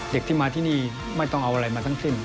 เด็กที่มาที่นี่ไม่ต้องเอาอะไรมาทั้งสิ้น